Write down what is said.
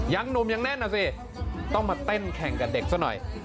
หนุ่มยังแน่นนะสิต้องมาเต้นแข่งกับเด็กซะหน่อย